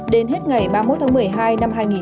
đến hết ngày ba mươi một một mươi hai hai nghìn hai mươi hai